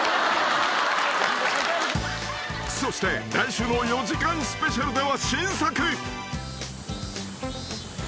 ［そして来週の４時間スペシャルでは新作］